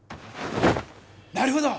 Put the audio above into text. なるほど！